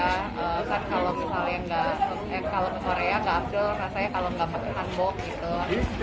kan kalau misalnya nggak kalau ke korea nggak abdel rasanya kalau nggak pake hanbok gitu